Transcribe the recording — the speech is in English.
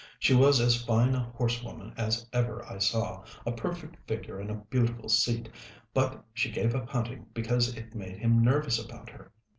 She was as fine a horsewoman as ever I saw, a perfect figure and a beautiful seat, but she gave up hunting because it made him nervous about her.